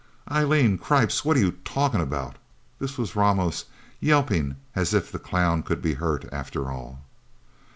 "Eileen! Cripes, what are you talking about?" This was Ramos yelping, as if the clown could be hurt, after all.